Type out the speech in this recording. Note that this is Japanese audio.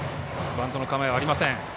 バントの構えはありません。